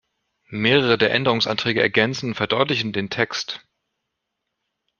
Mehrere der Änderungsanträge ergänzen und verdeutlichen den Text.